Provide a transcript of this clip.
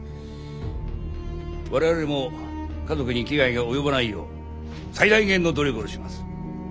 我々も家族に危害が及ばないよう最大限の努力をします。